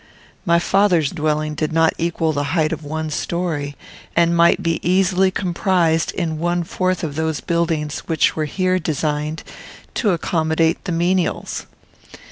My father's dwelling did not equal the height of one story, and might be easily comprised in one fourth of those buildings which here were designed to accommodate the menials.